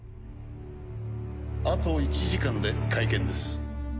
あと１時間で会見です。